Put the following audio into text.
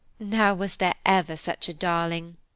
"Now, was there ever such a darling?"